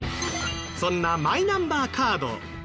そんなマイナンバーカード。